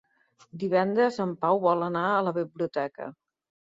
Divendres en Pau vol anar a la biblioteca.